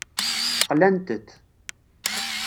Qlant-t.